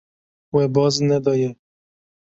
We baz nedaye.